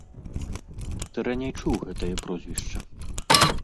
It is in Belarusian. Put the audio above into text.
Ты раней чуў гэтае прозвішча.